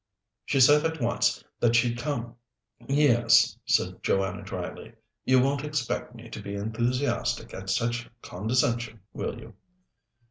She said at once that she'd come." "Yes," said Joanna dryly. "You won't expect me to be enthusiastic at such condescension, will you?"